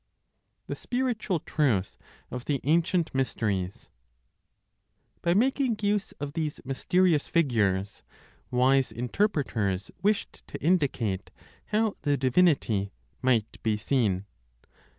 THE SPIRITUAL TRUTH OF THE ANCIENT MYSTERIES. By making use of these mysterious figures, wise interpreters wished to indicate how the divinity might be seen.